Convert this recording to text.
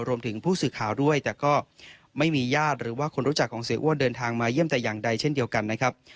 รวมถึงผู้สื่อข่าวด้วยแต่ก็ไม่มีญาติหรือว่าคนรู้จักของเสียอ้วนเดินทางมาเยี่ยมแต่อย่างใดเช่นเดียวกันนะครับ